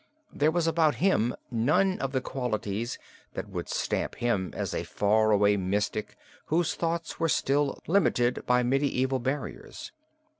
There was about him none of the qualities that would stamp him as a far away mystic whose thoughts were still limited by medieval barriers.